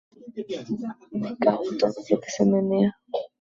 ¡Me cago en todo lo que se menea!